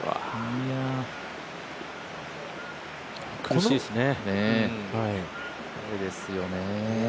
難しいですね。